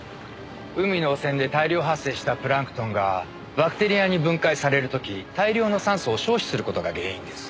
海の汚染で大量発生したプランクトンがバクテリアに分解される時大量の酸素を消費する事が原因です。